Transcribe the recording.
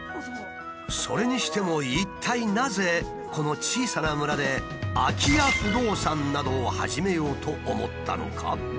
それにしても一体なぜこの小さな村で空き家不動産などを始めようと思ったのか？